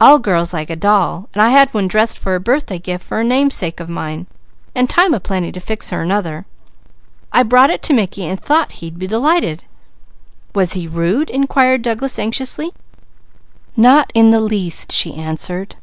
All girls like a doll, and I had one dressed for a birthday gift for a namesake of mine, and time plenty to fix her another. I brought it to Mickey and thought he'd be delighted." "Was he rude?" inquired Douglas anxiously. "Not in the least!" she answered.